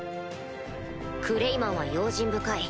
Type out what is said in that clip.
クレイマンは用心深い。